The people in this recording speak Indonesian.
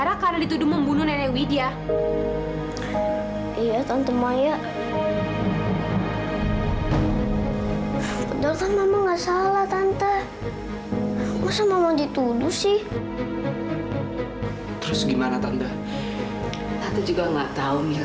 sampai jumpa di video selanjutnya